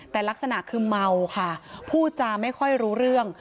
แต่ลักษณะคือเมาค่ะพูดจาไม่ค่อยรู้เรื่อง